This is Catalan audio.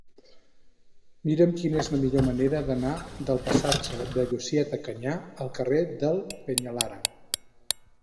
Mira'm quina és la millor manera d'anar del passatge de Llucieta Canyà al carrer del Peñalara.